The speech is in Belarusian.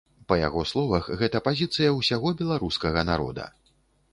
Па яго словах, гэта пазіцыя ўсяго беларускага народа.